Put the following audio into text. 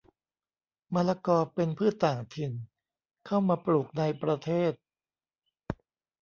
มะละกอ เป็นพืชต่างถิ่น เข้ามาปลูกในประเทศ